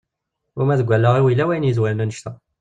Uma deg wallaɣ-iw yella wayen yezwaren annect-a.